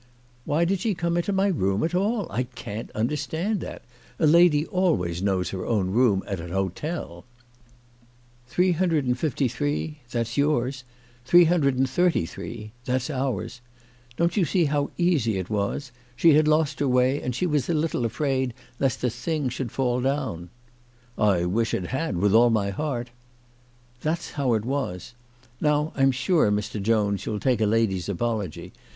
" Why did she come into my room at all ? I can't understand that. A lady always knows her own room at an hotel." " 353 that's yours ; 333 that's ours. Don't you see how easy it was ? She had lost her way, and she was a little afraid lest the thing should fall down." " I wish it had, with all my heart." " That's how it was. Now I'm sure, Mr. Jones, you'll take a lady's apology.